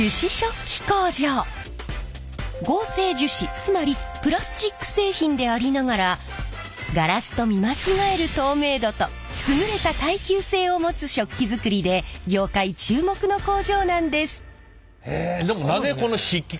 つまりプラスチック製品でありながらガラスと見間違える透明度と優れた耐久性を持つ食器作りで業界注目の工場なんです！